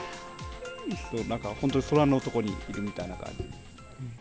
なんか本当に空の所にいるみたいな感じ。